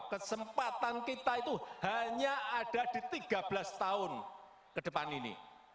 kesempatan kita itu hanya ada di tiga belas tahun ke depan ini